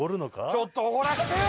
ちょっと、おごらせてよ！